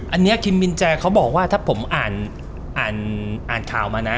อันเนี้ยคิมบินแจเขาบอกว่าถ้าผมอย่างทิวเขาอ่านค่าวมานะ